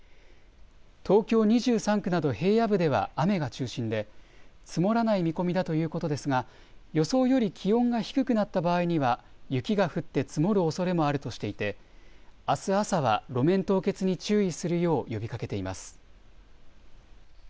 東京２３区など平野部では雨が中心で積もらない見込みだということですが予想より気温が低くなった場合には雪が降って積もるおそれもあるとしていてあす朝は路面凍結に注意するよう呼びかけています。